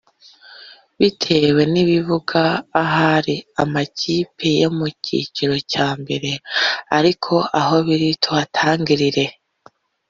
bitewe n’ibibuga ahari amakipe yo mu cyiciro cya mbere ariko aho biri tuhatangirire”